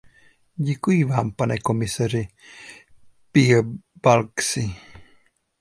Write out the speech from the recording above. Děkuji vám, pane komisaři Piebalgsi.